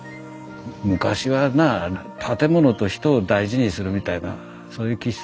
昔はな建物と人を大事にするみたいなそういう気質があるのかな。